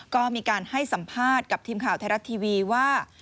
ก็มีการให้สัมภาษณ์กับทีมข่าวไทยรัฐทีวีว่า